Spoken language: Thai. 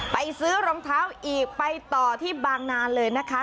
ไปซื้อรองเท้าอีกไปต่อที่บางนานเลยนะคะ